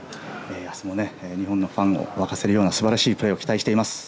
明日も日本のファンを沸かせるような素晴らしいプレーを期待しています。